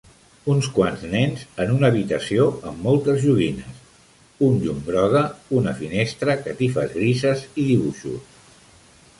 Uns quants nens en una habitació amb moltes joguines, un llum groga, una finestra, catifes grises i dibuixos